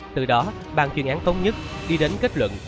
từ đó bàn chuyên án thống nhất đi đến kết luận